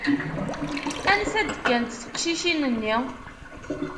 Ansa i d-kkant teqcicin-nni?